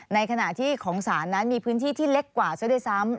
ในขณะที่ของศาลนั้นมีพื้นที่ที่เล็กกว่าซะด้วยซ้ำ